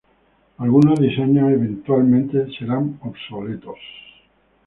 Algunos diseños, eventualmente, serán obsoletos.